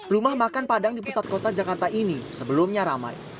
rumah makan padang di pusat kota jakarta ini sebelumnya ramai